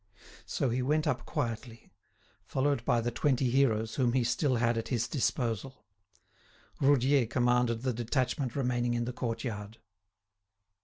So he went up quietly, followed by the twenty heroes whom he still had at his disposal. Roudier commanded the detachment remaining in the courtyard.